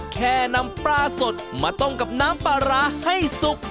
แค่นำปลาสดมาต้มกับน้ำปลาร้าให้สุก